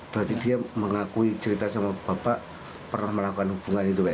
berarti dia mengakui cerita sama bapak pernah melakukan hubungan itu pak